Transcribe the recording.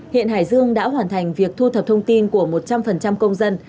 hiện hải dương đã hoàn thành việc thu thập thông tin của một trăm linh công dân